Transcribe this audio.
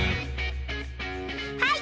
はい！